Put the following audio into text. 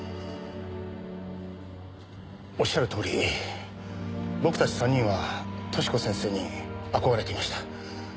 仰るとおり僕たち３人は寿子先生に憧れていました。